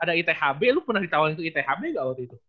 ada ithb lu pernah ditawarin itu ith mega waktu itu